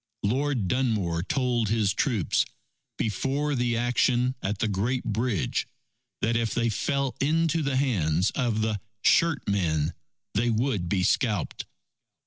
Lord Dunmore told his troops, before the action at the Great Bridge, that if they fell into the hands of the "shirt men," they would be scalped.